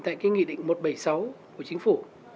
tại cái nghị định một trăm bảy mươi sáu của chính phủ